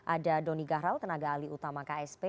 ada donny gahral tenaga ahli utama ksp